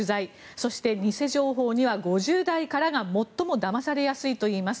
そして偽情報には５０代からが最もだまされやすいといいます。